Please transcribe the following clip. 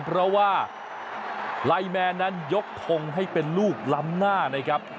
เพราะว่าไลแมนนั้นยกทงให้เป็นลูกล้ำหน้านะครับ